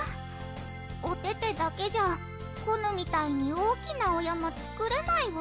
おててだけじゃコヌみたいに大きなお山作れないわ。